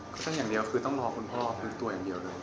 ต้องอย่างเดียวคือต้องรอคุณพ่อฟื้นตัวอย่างเดียวเลย